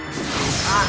ki japra dan jayadi